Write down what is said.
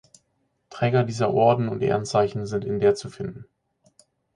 Träger dieser Orden und Ehrenzeichen sind in der zu finden.